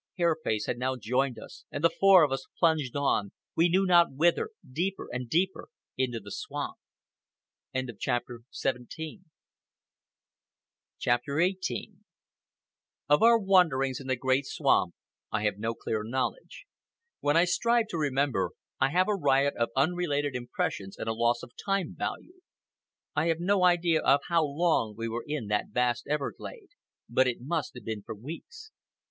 Hair Face had now joined us, and the four of us plunged on, we knew not whither, deeper and deeper into the swamp. CHAPTER XVIII Of our wanderings in the great swamp I have no clear knowledge. When I strive to remember, I have a riot of unrelated impressions and a loss of time value. I have no idea of how long we were in that vast everglade, but it must have been for weeks.